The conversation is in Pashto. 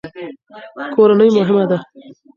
کورنۍ مهمه ده.